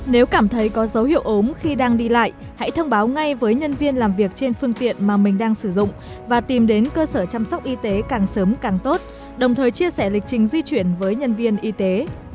nếu cảm thấy có dấu hiệu ốm khi đang đi lại hãy thông báo ngay với nhân viên làm việc trên phương tiện mà mình đang sử dụng và tìm đến cơ sở chăm sóc y tế càng sớm càng tốt đồng thời chia sẻ lịch trình di chuyển với nhân viên y tế